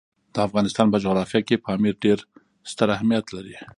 د افغانستان په جغرافیه کې پامیر ډېر ستر اهمیت لري.